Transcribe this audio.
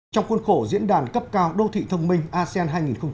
trong khuôn khổ diễn đàn cấp cao đô thị thông minh asean hai nghìn hai mươi